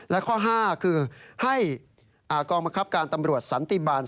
และข้อ๕คือให้กองบังคับการตำรวจสันติบาล